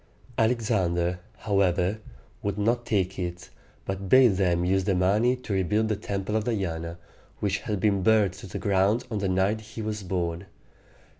Alexander, however, would not take it, but bade them use the money to rebuild the Temple of Diana, which had been burned to the ground on the night he was born.